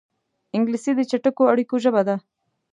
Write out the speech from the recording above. انګلیسي د چټکو اړیکو ژبه ده